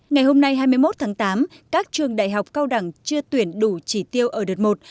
ngày hôm nay hai mươi một tháng tám các trường đại học cao đẳng chưa tuyển đủ chỉ tiêu ở đợt một